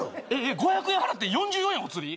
５００円払って４４円おつり？